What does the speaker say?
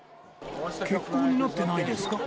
欠航になってないですか？